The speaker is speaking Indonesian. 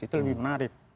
itu lebih menarik